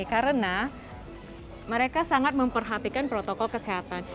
karena mereka sangat memperhatikan protokol kesehatan